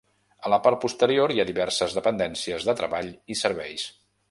A la part posterior hi ha diverses dependències de treball i serveis.